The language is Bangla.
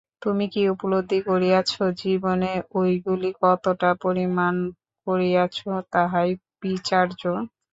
তুমি কী উপলব্ধি করিয়াছ, জীবনে ঐগুলি কতটা পরিণত করিয়াছ, তাহাই বিচার্য।